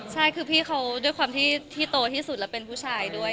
ใช่คือพี่เขาด้วยความที่โตที่สุดแล้วเป็นผู้ชายด้วย